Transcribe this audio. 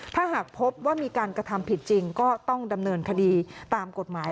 ถ้าหากพบว่ามีการกระทำผิดจริงก็ต้องดำเนินคดีตามกฎหมาย